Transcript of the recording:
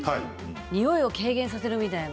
においを軽減させるような。